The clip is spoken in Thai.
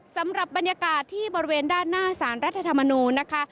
สำหรับบรรยากาศที่บริเวณด้านหน้าสารรัฐธรรมนูลนะคะ